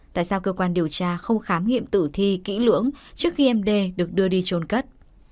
tại sao cơ quan điều tra không khám nghiệm tử thi kỹ lưỡng trước khi em đê được đưa đi trôn cất